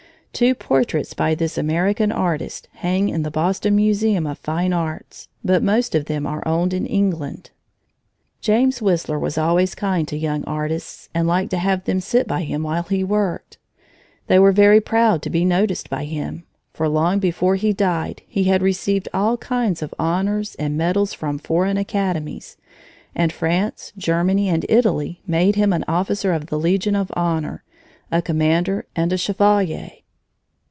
Two portraits by this American artist hang in the Boston Museum of Fine Arts, but most of them are owned in England. James Whistler was always kind to young artists and liked to have them sit by him while he worked. They were very proud to be noticed by him, for long before he died he had received all kinds of honors and medals from foreign academies; and France, Germany, and Italy made him an Officer of the Legion of Honor, a Commander, and a Chevalier.